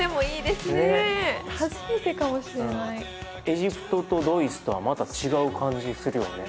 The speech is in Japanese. エジプトとドイツとはまた違う感じするよね。